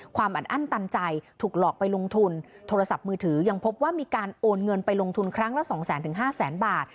ความอัดอั้นตันใจถูกหลอกไปลงทุนโทรศัพท์มือถือยังพบว่ามีการโอนเงินไปลงทุนครั้งละสองแสนถึงห้าแสนบาท